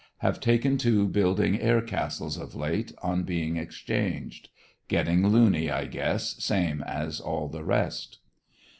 Have taken to building air castles of late, on being exchanged. Getting loony, I guess, same as all the rest.